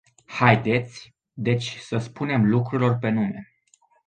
Haideți deci să spunem lucrurilor pe nume.